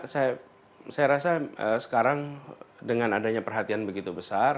saya rasa sekarang dengan adanya perhatian begitu besar